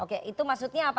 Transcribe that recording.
oke itu maksudnya apa